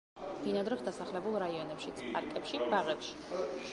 ბინადრობს დასახლებულ რაიონებშიც, პარკებში, ბაღებში.